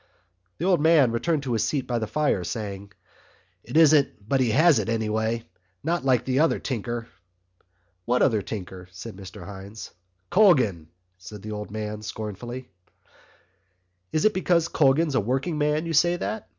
The old man returned to his seat by the fire, saying: "It isn't but he has it, anyway. Not like the other tinker." "What other tinker?" said Mr Hynes. "Colgan," said the old man scornfully. "It is because Colgan's a working man you say that?